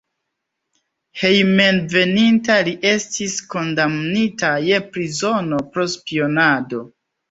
Hejmenveninta li estis kondamnita je prizono pro spionado.